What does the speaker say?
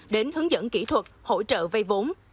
đến hướng dẫn kỹ thuật hỗ trợ vây vốn